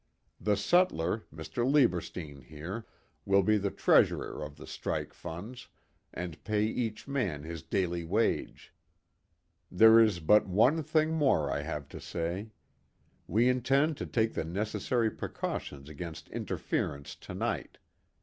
The sutler, Mr. Lieberstein here, will be the treasurer of the strike funds, and pay each man his daily wage. There is but one thing more I have to say. We intend to take the necessary precautions against interference to night.